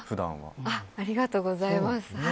ありがとうございます。